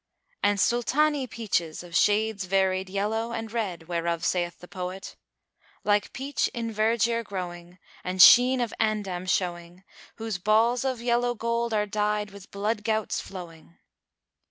And Sultani[FN#396] peaches of shades varied, yellow and red, whereof saith the poet, "Like Peach in vergier growing * And sheen of Andam[FN#397] showing: Whose balls of yellow gold * Are dyed with blood gouts flowing."